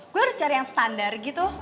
gue harus cari yang standar gitu